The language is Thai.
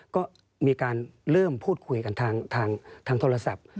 ก็มีการเริ่มพูดคุยกันทางโทรศัพท์